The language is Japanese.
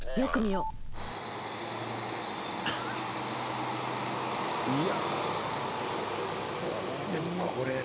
「うわ！」